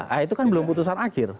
nah itu kan belum putusan akhir